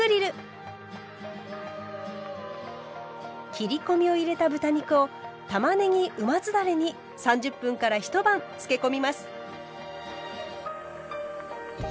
切り込みを入れた豚肉をたまねぎうま酢だれに３０分から一晩つけ込みます。